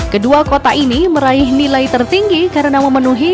kedua kota ini meraih nilai tertinggi karena memenuhi